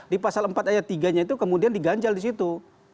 di pasal empat ayat tiga nya itu kemudian diganjal di situ